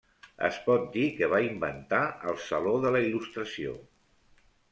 Es pot dir que va inventar el saló de la Il·lustració.